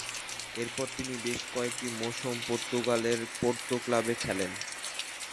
এরপর তিনি বেশ কয়েকটি মৌসুম পর্তুগালের পোর্তো ক্লাবে খেলেন।